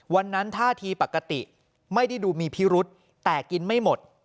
ท่าทีปกติไม่ได้ดูมีพิรุษแต่กินไม่หมด